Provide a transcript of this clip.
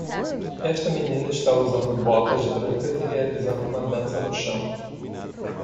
Esta menina está usando botas brancas e realizando uma dança no chão